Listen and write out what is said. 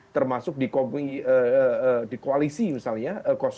termasuk di koalisi misalnya